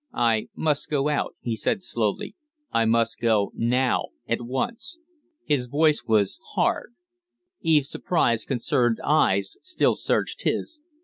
"I must go out," he said, slowly. "I must go now at once." His voice was hard. Eve's surprised, concerned eyes still searched his.